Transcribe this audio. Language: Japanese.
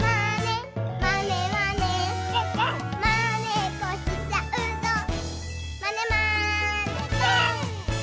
「まねっこしちゃうぞまねまねぽん！」